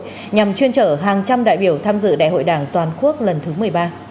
nhằm chuyên trở hàng trăm đại biểu tham dự đại hội đảng toàn quốc lần thứ một mươi ba